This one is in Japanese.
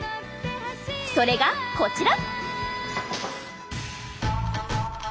それがこちら。